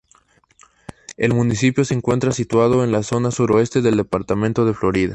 El municipio se encuentra situado en la zona sureste del departamento de Florida.